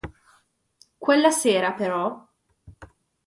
Quella sera, però.